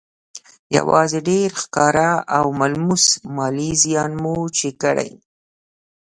يوازې ډېر ښکاره او ملموس مالي زيان مو چې کړی